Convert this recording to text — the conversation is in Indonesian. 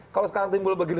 kalau sekarang timbul begini